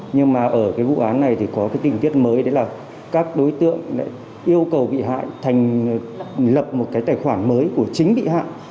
nhưng mà ở cái vụ án này thì có cái tình tiết mới đấy là các đối tượng lại yêu cầu bị hại thành lập một cái tài khoản mới của chính bị hại